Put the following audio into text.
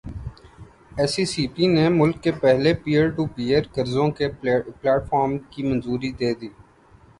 S E C P نے ملک کے پہلے پیر ٹو پیر قرضوں کے پلیٹ فارم کی منظوری دے دی